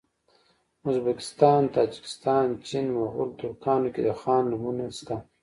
ازبکستان تاجکستان چین مغول ترکانو کي د خان نومونه سته